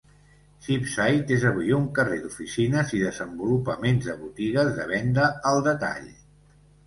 Cheapside és avui un carrer d'oficines i desenvolupaments de botigues de venda al detall.